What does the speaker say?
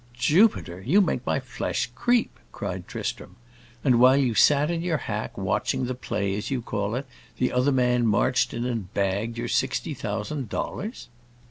"Jupiter! you make my flesh creep!" cried Tristram. "And while you sat in your hack, watching the play, as you call it, the other man marched in and bagged your sixty thousand dollars?"